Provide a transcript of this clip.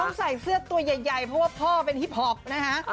ใส่เสื้อตัวใหญ่เพราะว่าพ่อเป็นฮิปพอปนะฮะ